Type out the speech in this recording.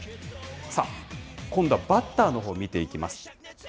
さあ、今度はバッターのほう、見ていきます。